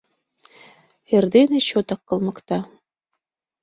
Эрдене чотак кылмыкта.